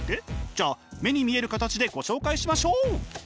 じゃあ目に見える形でご紹介しましょう！